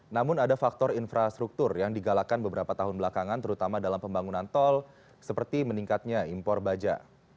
namun ada faktor infrastruktur yang digalakan beberapa tahun belakangan terutama dalam pembangunan tol seperti meningkatnya impor baja